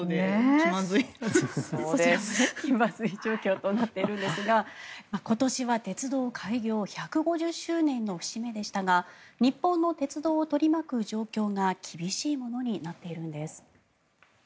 気まずい状況となっているんですが今年は鉄道開業１５０周年の節目でしたが日本の鉄道を取り巻く状況が厳しいものになっているんです。